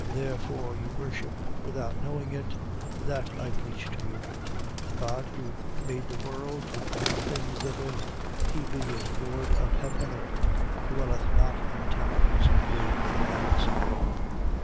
What therefore you worship without knowing it, that I preach to you: 17:24. God, who made the world and all things therein, he being Lord of heaven and earth, dwelleth not in temples made with hands.